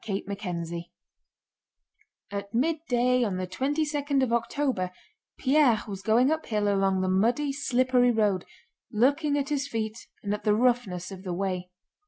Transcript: CHAPTER XIII At midday on the twenty second of October Pierre was going uphill along the muddy, slippery road, looking at his feet and at the roughness of the way.